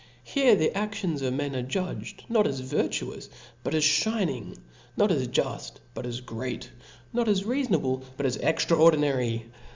Here the aftions of men are judged, not as vir tuous, but as fhining *, not asjuft, but as great; *^ not as reafonable, but as extraordinary.